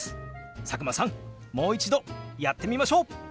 佐久間さんもう一度やってみましょう！